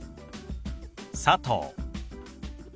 「佐藤」。